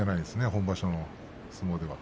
本場所の相撲では。